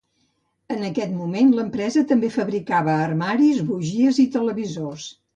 En aquest moment l'empresa també fabricava armaris, bugies i televisors.